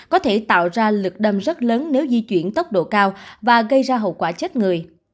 có thể tạo ra lực đâm rất lớn nếu di chuyển tốc độ cao và gây ra hậu quả chết người